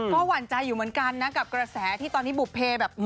ก็หวั่นใจอยู่เหมือนกันนะกับกระแสที่ตอนนี้บุภเพแบบ